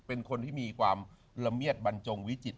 เป็นคนที่มีความละเมียดบรรจงวิจิต